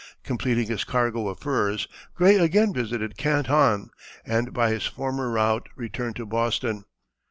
Completing his cargo of furs, Gray again visited Canton, and by his former route returned to Boston.